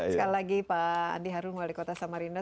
sekali lagi pak andi harung wali kota samarinda